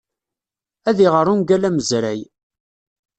Ad iɣer ungal amezray.